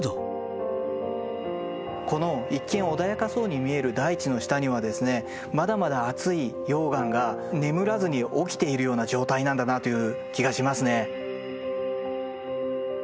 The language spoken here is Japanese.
この一見穏やかそうに見える大地の下にはですねまだまだ熱い溶岩が眠らずに起きているような状態なんだなという気がしますね。